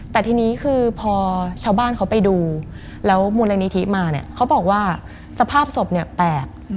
แต่ทีนี้คือพอชาวบ้านเขาไปดูแล้วมูลนิธิมาเนี่ยเขาบอกว่าสภาพศพเนี่ยแปลก